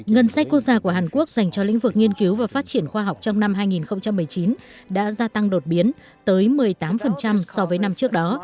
ngân sách quốc gia của hàn quốc dành cho lĩnh vực nghiên cứu và phát triển khoa học trong năm hai nghìn một mươi chín đã gia tăng đột biến tới một mươi tám so với năm trước đó